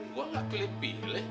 gua gak kelebih